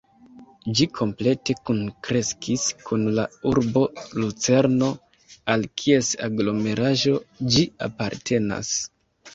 Ĝi komplete kunkreskis kun la urbo Lucerno, al kies aglomeraĵo ĝi apartenas.